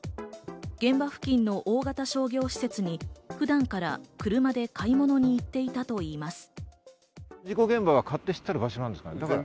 現場付近の大型商業施設に普段から車で買い物に行っていたといいます。